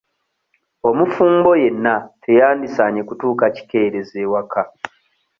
Omufumbo yenna teyandisaanye kutuuka kikeerezi ewaka.